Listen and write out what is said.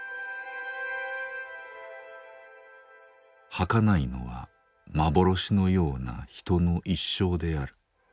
はかないのは幻のような人の一生である。